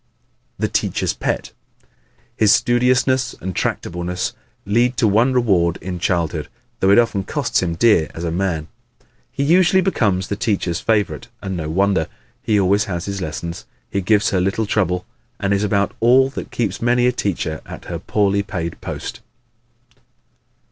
The "Teacher's Pet" ¶ His studiousness and tractableness lead to one reward in childhood, though it often costs him dear as a man. He usually becomes the teacher's favorite and no wonder: he always has his lessons, he gives her little trouble and is about all that keeps many a teacher at her poorly paid post.